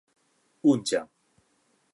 搵醬